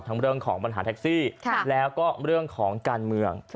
เรื่องของปัญหาแท็กซี่แล้วก็เรื่องของการเมือง